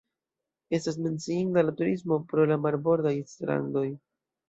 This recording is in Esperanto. Estas menciinda la turismo pro la marbordaj strandoj.